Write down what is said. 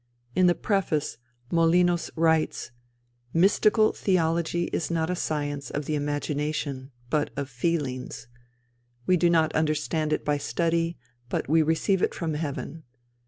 In the preface Molinos writes: "Mystical theology is not a science of the imagination, but of feelings; we do not understand it by study, but we receive it from heaven.